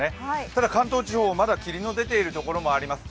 ただ、関東地方、まだ霧の出ている所もあります。